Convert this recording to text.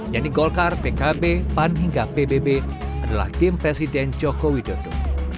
yaitu golkar pkb pan hingga pbb adalah tim presiden joko widodo